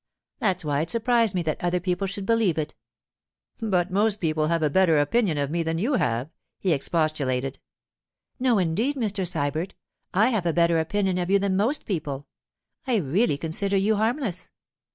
That's why it surprised me that other people should believe it.' 'But most people have a better opinion of me than you have,' he expostulated. 'No, indeed, Mr. Sybert; I have a better opinion of you than most people. I really consider you harmless.